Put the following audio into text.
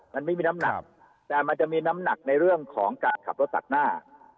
มันไม่มีน้ำหนักแต่มันจะมีน้ำหนักในเรื่องของการขับรถตัดหน้า